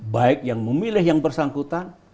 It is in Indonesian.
baik yang memilih yang bersangkutan